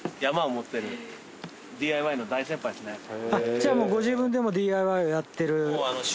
じゃあご自分でもＤＩＹをやってる。